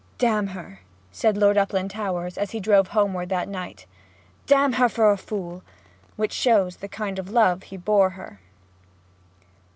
'D her!' said Lord Uplandtowers, as he drove homeward that night. 'D her for a fool!' which shows the kind of love he bore her.